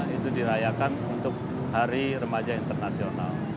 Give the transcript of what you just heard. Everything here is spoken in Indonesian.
itu dirayakan untuk hari remaja internasional